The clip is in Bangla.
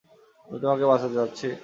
আমি তোমাকে বাঁচাতে চাচ্ছি।